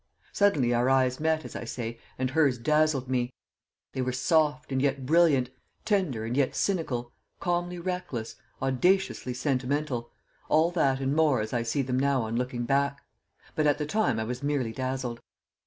Suddenly our eyes met, as I say, and hers dazzled me; they were soft and yet brilliant, tender and yet cynical, calmly reckless, audaciously sentimental all that and more as I see them now on looking back; but at the time I was merely dazzled.